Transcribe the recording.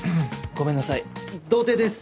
ごめんなさい童貞です。